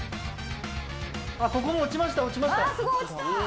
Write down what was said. ここも落ちました、落ちましすごい、落ちた。